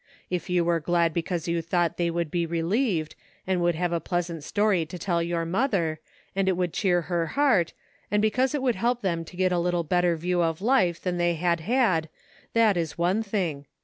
If you were glad because you thought they would be relieved, and would have a pleasant story to tell your mother, and it would cheer her heart, and because it would help them to get a little better view of life than they had had, that is one thing.